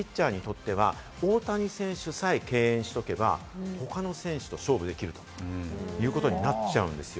すると相手のピッチャーにとっては大谷選手さえ敬遠しておけば、他の選手と勝負できるということになっちゃうんですよ。